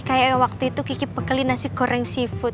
kayak waktu itu kiki pekeli nasi goreng seafood